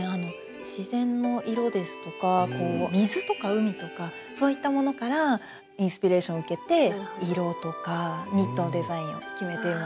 自然の色ですとか水とか海とかそういったものからインスピレーションを受けて色とかニットのデザインを決めています。